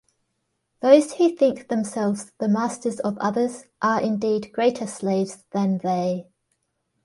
Those who think themselves the masters of others are indeed greater slaves than they.